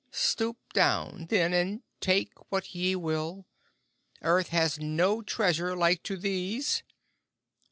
Stoop down, then, and take what ye will. Earth has no treasure like to these.